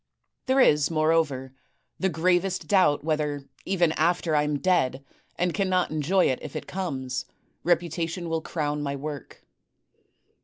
There is, moreover, the gravest doubt whether, even after I am dead and cannot enjoy it if it comes, reputation will crown my work.